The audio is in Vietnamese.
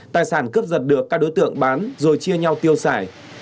tài sản cướp giật được các đối tượng bán rồi chia nhau tiêu xài